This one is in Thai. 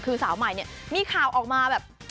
คือสาวใหม่เนี่ยมีข่าวออกมาแบบ